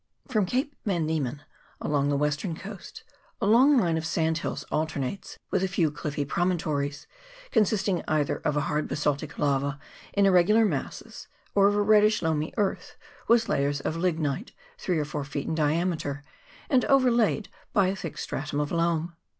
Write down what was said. From Cape Maria van Diemen, along the west ern coast, a long line of sand hills alternates with a few cliffy promontories, consisting either of a hard basaltic lava in irregular masses, or of a reddish loamy earth with layers of lignite, three or four feet in diameter, and overlaid by a thick stratum of loam.